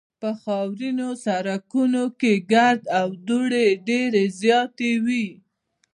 په خاورینو سړکونو کې ګرد او دوړې ډېرې زیاتې وې